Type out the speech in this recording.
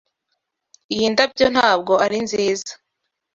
Iyi ndabyo ntabwo ari nziza?